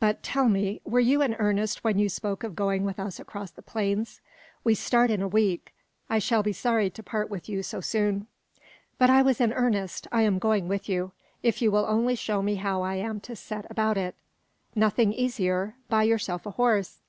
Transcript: But, tell me, were you in earnest when you spoke of going with us across the plains? We start in a week; I shall be sorry to part with you so soon." "But I was in earnest. I am going with you, if you will only show me how I am to set about it." "Nothing easier: buy yourself a horse."